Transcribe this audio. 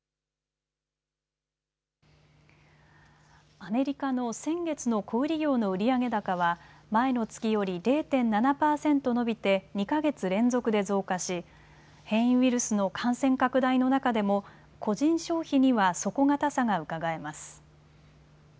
アメリカの先月の小売業の売上高は前の月より０．７％伸びて２か月連続で増加し変異ウイルスの感染拡大の中でも個人消費には底堅さがうかがえます。